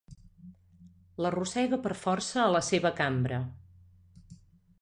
L'arrossega per força a la seva cambra.